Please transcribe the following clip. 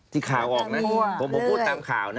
ข่าวออกนะผมพูดตามข่าวนะ